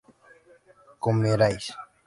comierais